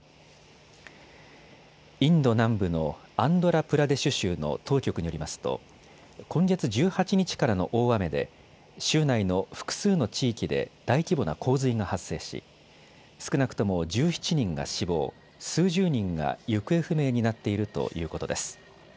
インド南部のアンドラプラデシュ州の当局によりますと今月１８日からの大雨で州内の複数の地域で大規模な洪水が発生し、少なくとも１７人が死亡、数十人が行方不明になっているということです。